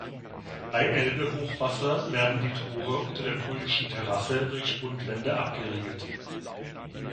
Bei Elbehochwasser werden die Tore unter der Brühlschen Terrasse durch Spundwände abgeriegelt.